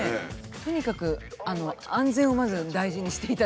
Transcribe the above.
とにかく安全をまず大事にしていただきたいと思います。